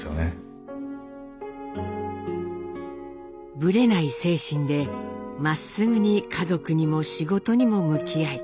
ぶれない精神でまっすぐに家族にも仕事にも向き合い